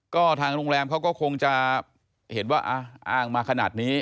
ก็ทางโรงแรมเขาก็คงจะเห็นว่าอ้างมาขนาดนี้